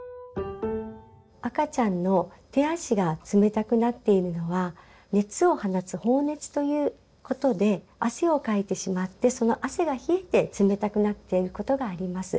赤ちゃんの手足が冷たくなっているのは熱を放つ放熱ということで汗をかいてしまってその汗が冷えて冷たくなっていることがあります。